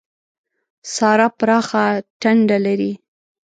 سارا پراخه ټنډه لري.